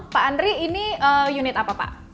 pak andri ini unit apa pak